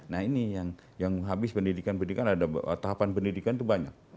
nah ini yang habis pendidikan pendidikan ada tahapan pendidikan itu banyak